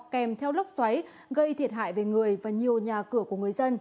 kèm theo lốc xoáy gây thiệt hại về người và nhiều nhà cửa của người dân